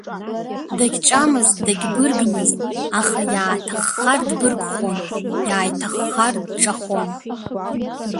Дагьҿамызт, дагьбыргмызт, аха иааҭаххар дбыргхон, иааиҭаххар дҿахон.